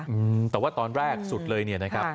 อืมแต่ว่าตอนแรกสุดเลยเนี่ยนะครับ